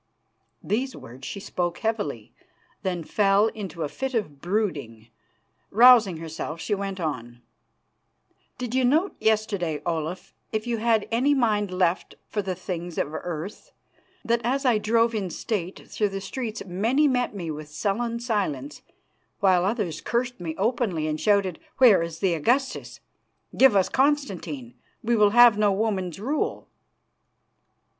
These words she spoke heavily, then fell into a fit of brooding. Rousing herself, she went on: "Did you note yesterday, Olaf, if you had any mind left for the things of earth, that as I drove in state through the streets many met me with sullen silence, while others cursed me openly and shouted, 'Where is the Augustus?' 'Give us Constantine. We will have no woman's rule.